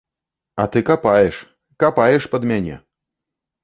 А ты капаеш, капаеш пад мяне!